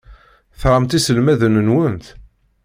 Tramt iselmaden-nwent?